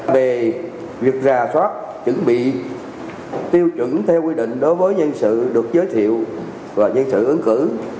về việc rà soát chuẩn bị tiêu chuẩn theo quy định đối với nhân sự được giới thiệu và nhân sự ứng cử